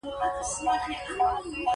د رسنیو په مرسته خلک خپل نظر څرګندوي.